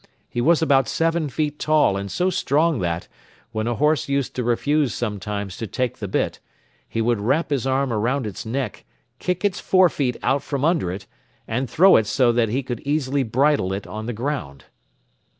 He was about seven feet tall and so strong that, when a horse used to refuse sometimes to take the bit, he would wrap his arm around its neck, kick its forefeet out from under it and throw it so that he could easily bridle it on the ground.